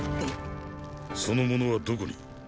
その者はどこに？